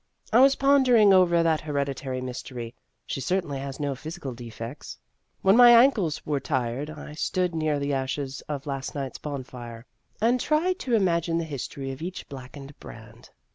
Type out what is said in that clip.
I was pondering over that hereditary mystery. She cer tainly has no physical defects. When my ankles were tired, I stood near the ashes of last night's bonfire, and That Athletic Girl 205 tried to imagine the history of each black ened brand.